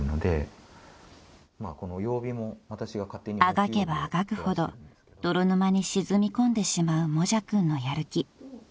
［あがけばあがくほど泥沼に沈み込んでしまうもじゃくんのやる気］